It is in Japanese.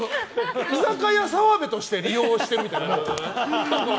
居酒屋澤部として利用してるみたいな。